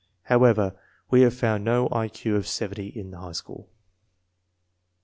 However, we have found no I Q of 70 in the high school.